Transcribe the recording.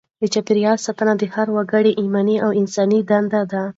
د چاپیریال ساتنه د هر وګړي ایماني او انساني دنده ده.